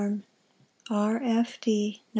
R. f! d'. No".